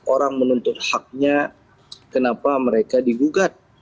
orang menuntut haknya kenapa mereka digugat